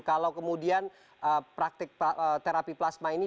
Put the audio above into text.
kalau kemudian praktik terapi plasma ini